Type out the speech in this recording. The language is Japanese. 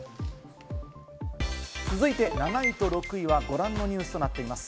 続いて７位と６位はご覧のニュースとなっています。